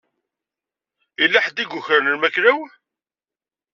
Yella ḥedd i yukren lmakla-w.